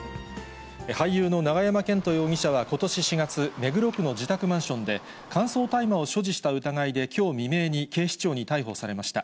俳優の永山絢斗容疑者はことし４月、目黒区の自宅マンションで、乾燥大麻を所持した疑いで、きょう未明に警視庁に逮捕されました。